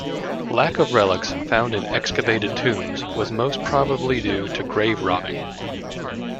Lack of relics found in excavated tombs was most probably due to grave robbing.